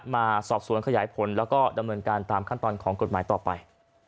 มาสอบสวนขยายผลแล้วก็ดำเนินการตามขั้นตอนของกฎหมายต่อไป